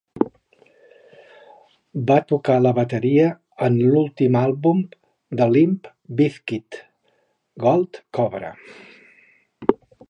Va tocar la bateria en l'últim àlbum de Limp Bizkit, "Gold Cobra".